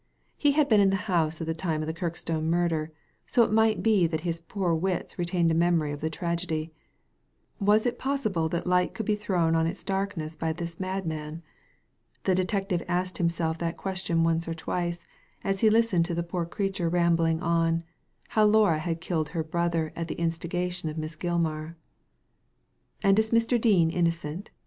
He had been in the house at the time of the Kirkstone murder, so it might be that his poor wits retained a memory of the tragedy. Was it possible that light could be thrown on its darkness by this madman? The detective asked himself that question once or twic^ as he listened to the poor creature rambling on, how Laura had killed her brother at the instigation of Miss Gilmar. "And is Mr. Dean innocent?"